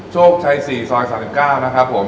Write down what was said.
โชคชัย๔ซอย๓๙นะครับผม